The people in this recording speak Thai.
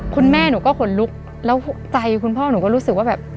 คุณแม่หนูก็ขนลุกแล้วใจคุณพ่อหนูก็รู้สึกว่าแบบ